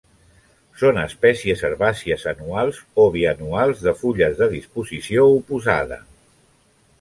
Són espècies herbàcies anuals o bianuals de fulles de disposició oposada.